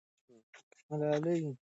ملالۍ له خپلې کورنۍ سره اوسېدلې وه.